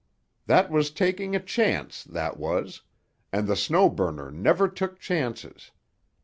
That was taking a chance, that was; and the Snow Burner never took chances.